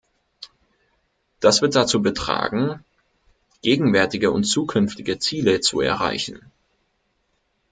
Das wird dazu betragen, gegenwärtige und zukünftige Ziele zu erreichen.